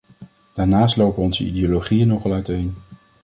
Daarnaast lopen onze ideologieën nogal uiteen.